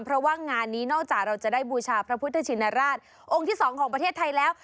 เพราะว่างานนี้นอกจากเราจะได้บูชาพระพุทธชินราชองค์ที่สองของประเทศไทยแล้ว